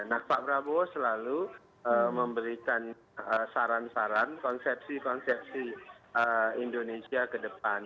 nah pak prabowo selalu memberikan saran saran konsepsi konsepsi indonesia ke depan